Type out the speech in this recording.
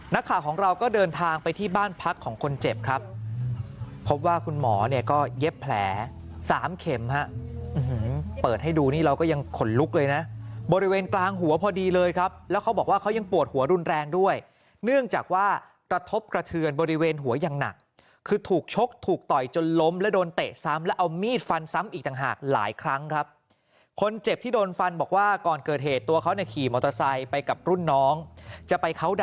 นักข่าวของเราก็เดินทางไปที่บ้านพักของคนเจ็บครับพบว่าคุณหมอเนี่ยก็เย็บแผล๓เข็มฮะเปิดให้ดูนี่เราก็ยังขนลุกเลยนะบริเวณกลางหัวพอดีเลยครับแล้วเขาบอกว่าเขายังปวดหัวรุนแรงด้วยเนื่องจากว่ากระทบกระเทือนบริเวณหัวอย่างหนักคือถูกชกถูกต่อยจนล้มและโดนเตะซ้ำและเอามีดฟันซ้ำอีกทางหาก